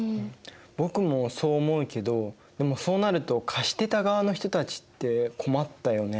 僕もそう思うけどでもそうなると貸してた側の人たちって困ったよね？